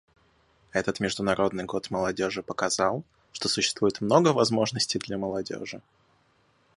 Этот Международный год молодежи показал, что существует много возможностей для молодежи.